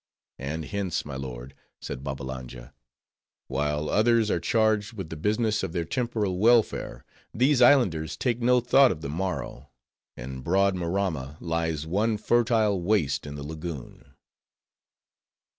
"And hence, my lord," said Babbalanja, "while others are charged with the business of their temporal welfare, these Islanders take no thought of the morrow; and broad Maramma lies one fertile waste in the lagoon."